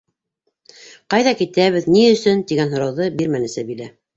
«Ҡайҙа китәбеҙ?», «Ни өсөн?» - тигән һорауҙы бирмәне Сәбилә.